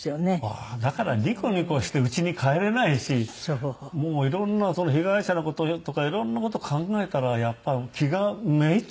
だからニコニコして家に帰れないしもう色んな被害者の事とか色んな事考えたらやっぱり気が滅入っちゃって。